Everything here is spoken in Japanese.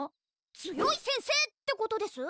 強い先生ってことです？